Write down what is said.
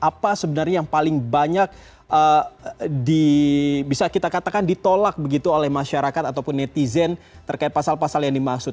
apa sebenarnya yang paling banyak bisa kita katakan ditolak begitu oleh masyarakat ataupun netizen terkait pasal pasal yang dimaksud